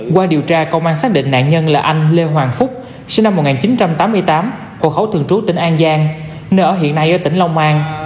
qua điều tra công an xác định nạn nhân là anh lê hoàng phúc sinh năm một nghìn chín trăm tám mươi tám hộ khẩu thường trú tỉnh an giang nơi ở hiện nay ở tỉnh long an